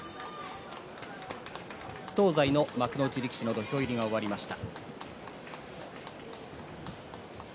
東西の幕内力士の土俵入りが終わりました。